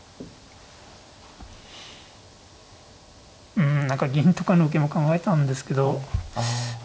うん何か銀とかの受けも考えたんですけど。